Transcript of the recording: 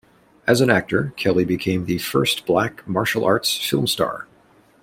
As an actor, Kelly became the first Black martial arts film star.